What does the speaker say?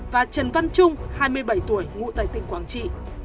và trần văn trung hai mươi bảy tuổi ngụ tại tỉnh quảng trị